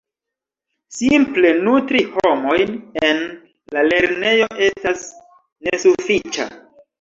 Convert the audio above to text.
Simple nutri homojn en la lernejo estas nesufiĉa.